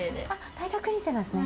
大学院生なんですね？